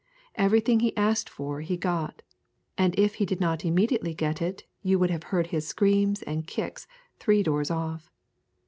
Everything he asked for he got, and if he did not immediately get it you would have heard his screams and his kicks three doors off.